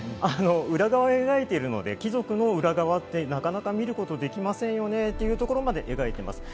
裏側を描いているので、貴族の裏側ってなかなか見ることできませんよねというところまで描いています。